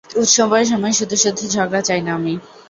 উৎসবের সময় শুধু-শুধু ঝগড়া চাই না আমি।